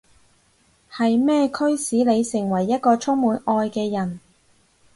係咩驅使你成為一個充滿愛嘅人？